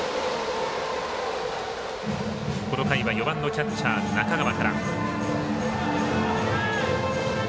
この回は４番のキャッチャー中川から。